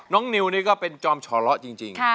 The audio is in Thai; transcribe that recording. น้องนิวนี่ก็เป็นจอมช่อละจริง